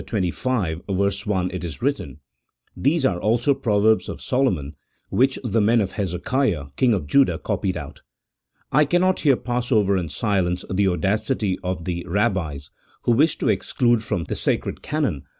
xxv. 1, it is written, " These are also proverbs of Solo mon which the men of Hezekiah, king of Judah, copied out." I cannot here pass over in silence the audacity of the "Rabbis who wished to exclude from the sacred canon both 1 See Note 19.